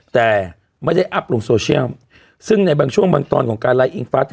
แต่ไม่ได้อัพลงโซเชียลซึ่งในบางช่วงบางตอนของการไลคิงฟัส